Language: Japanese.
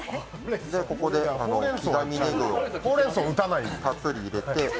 ここで刻みねぎをたっぷり入れて。